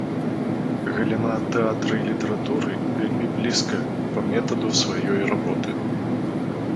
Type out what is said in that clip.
Галіна тэатра і літаратуры вельмі блізка па метаду сваёй работы.